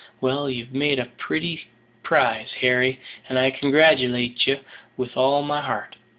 Well, you've made a pretty prize, Harry, and I congratulate ye with all my heart.